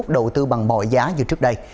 đầu tư bằng mọi giá như trước đây